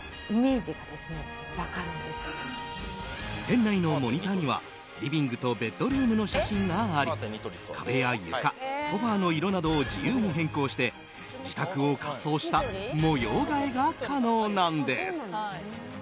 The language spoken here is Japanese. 店内のモニターにはリビングとベッドルームの写真があり壁や床、ソファの色などを自由に変更して自宅を仮想した模様替えが可能なんです。